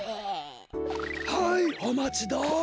はいおまちどう。